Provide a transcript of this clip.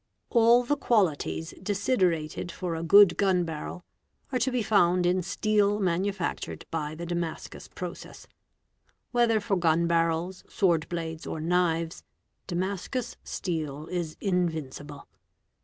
All the qualities desiderated for a good gun barrel are to be found in steel manufactured by the Damascus process. Whether for gun barrels, sword blades, or knives, Damascus steel is invincible.